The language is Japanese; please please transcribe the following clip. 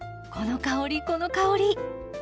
この香りこの香り！